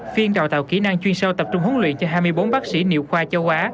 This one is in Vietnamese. phiên đào tạo kỹ năng chuyên sâu tập trung huấn luyện cho hai mươi bốn bác sĩ niệm khoa châu á